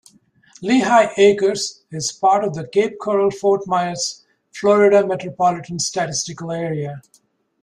Lehigh Acres is a part of the Cape Coral-Fort Myers, Florida Metropolitan Statistical Area.